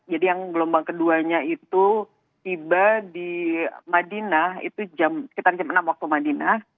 jadi yang gelombang keduanya itu tiba di madinah itu sekitar jam enam waktu madinah